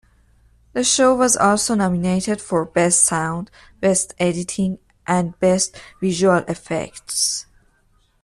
The show was also nominated for Best Sound, Best Editing, and Best Visual Effects.